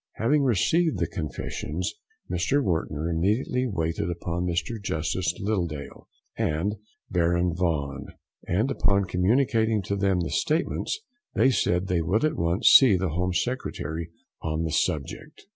Having received the confessions, Mr Wontner immediately waited upon Mr Justice Littledale and Baron Vaughan, and upon communicating to them the statements, they said they would at once see the Home Secretary on the subject.